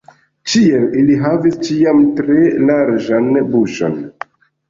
Ĉiel ili havis ĉiam tre larĝan buŝon.